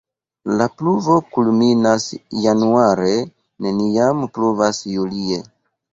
La pluvo kulminas januare, neniam pluvas julie.